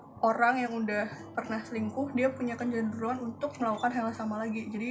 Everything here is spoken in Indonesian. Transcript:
secara ilmiah orang yang udah pernah selingkuh dia punya kejaduan untuk melakukan hal sama lagi jadi